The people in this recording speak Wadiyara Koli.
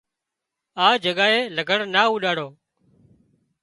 آ جڳائي لگھڙ نا اوڏاڙو